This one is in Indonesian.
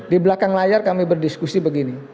di belakang layar kami berdiskusi begini